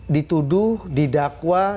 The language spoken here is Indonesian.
dituduh didakwa dan ditolak